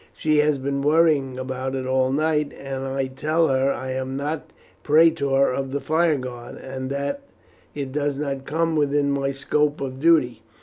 "She has been worrying about it all night. I tell her I am not praetor of the fire guard, and that it does not come within my scope of duty.